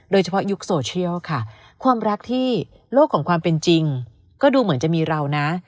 ยุคโซเชียลค่ะความรักที่โลกของความเป็นจริงก็ดูเหมือนจะมีเรานะ